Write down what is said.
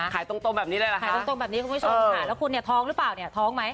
คุณผู้ชมค่ะแล้วคุณท้องหรือเปล่าท้องไหม